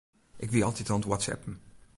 Ik wie altyd oan it whatsappen.